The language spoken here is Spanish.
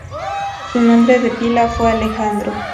Su nombre de pila fue Alejandro.